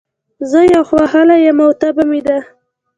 زه يخ وهلی يم، او تبه مې ده